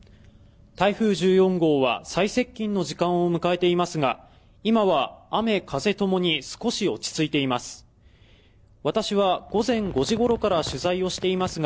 台風１４号は最接近の時間を迎えていますが今は雨風ともに少し落ち着いています